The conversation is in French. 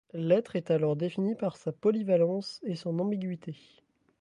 L’être est alors défini par sa polyvalence et son ambiguïté.